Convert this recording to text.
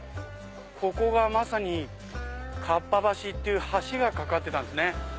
ここがまさに合羽橋っていう橋が架かってたんですね。